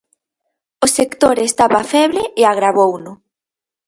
O sector estaba feble e agravouno.